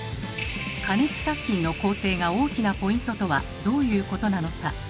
加熱殺菌の工程が大きなポイントとはどういうことなのか。